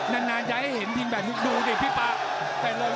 นานจะให้เห็นทีมแบบนี้ดูสิพี่ป๊า